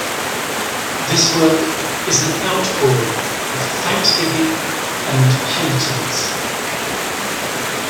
This work is an outpouring of thanksgiving and penitence.